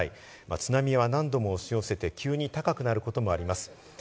津波は何度も押し寄せて、急に高くなることもあります。